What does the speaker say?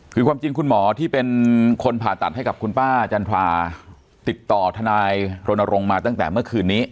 คือความจริงคุณหมอที่เป็นคนผ่าตัดให้กับคุณป้าจันทราติดต่อทนายรณรงค์มาตั้งแต่เมื่อคืนนี้